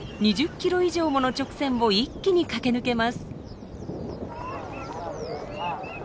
２０キロ以上もの直線を一気に駆け抜けます。